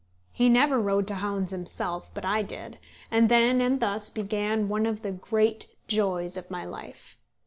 He never rode to hounds himself, but I did; and then and thus began one of the great joys of my life.